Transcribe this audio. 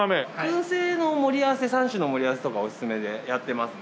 燻製の盛り合わせ３種の盛り合わせとかおすすめでやってますね。